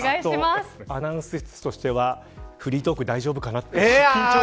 アナウンス室としてはフリートーク大丈夫かなと。